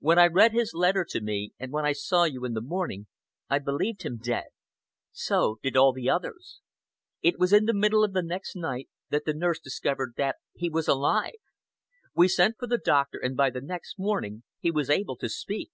When I read his letter to me, and when I saw you in the morning, I believed him dead. So did all the others. It was in the middle of the next night that the nurse discovered that he was alive! We sent for the doctor, and by the next morning he was able to speak.